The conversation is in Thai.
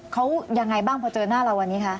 เขายังไงบ้างพอเจอหน้าเราวันนี้คะ